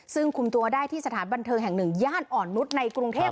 ซึ่งคุมตัวได้ที่สถานบันเทิงแห่งหนึ่งย่านอ่อนนุษย์ในกรุงเทพ